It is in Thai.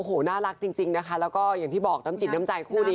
โอ้โหน่ารักจริงนะคะแล้วก็อย่างที่บอกน้ำจิตน้ำใจคู่นี้